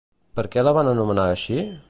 Per què la van anomenar així?